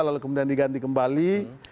lalu kemudian diganti kembali